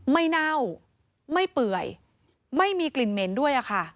เน่าไม่เปื่อยไม่มีกลิ่นเหม็นด้วยอะค่ะ